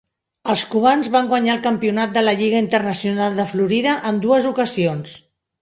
Els Cubans van guanyar el campionat de la Lliga Internacional de Florida en dues ocasions.